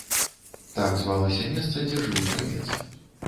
Так звалася месца, дзе жыў кравец.